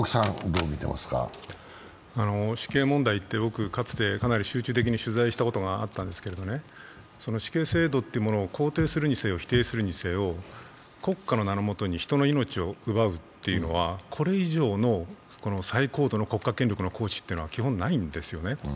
死刑問題って、僕はかなり集中的に取材したことがあったんですけれども、死刑制度というものを肯定するにしても否定するにしても国家の名の下に人の命を奪うというのは、これ以上の最高度の国家権力の行使というのは基本ないんですよね。